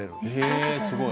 えすごい。